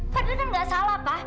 fadil kan nggak salah pa